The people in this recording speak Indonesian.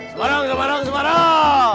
semarang semarang semarang